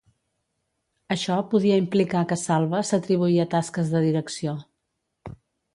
Això podia implicar que Salva s'atribuïa tasques de direcció.